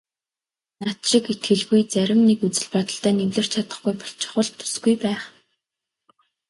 Над шиг итгэлгүй зарим нэг үзэл бодолтой нь эвлэрч чадахгүй болчихвол тусгүй байх.